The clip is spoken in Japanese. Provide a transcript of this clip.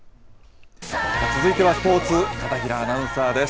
続いてはスポーツ、片平アナウンサーです。